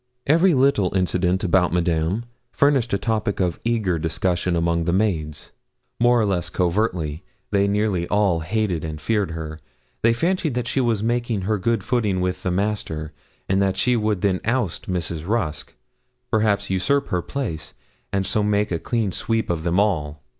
Every little incident about Madame furnished a topic of eager discussion among the maids. More or less covertly, they nearly all hated and feared her. They fancied that she was making good her footing with 'the Master;' and that she would then oust Mrs. Rusk perhaps usurp her place and so make a clean sweep of them all.